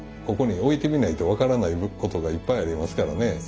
ここに置いてみないと分からないことがいっぱいありますからね。